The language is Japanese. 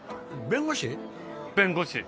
弁護士